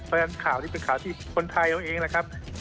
เพราะฉะนั้นข่าวนี้เป็นข่าวที่คนไทยเอาเองแหละครับ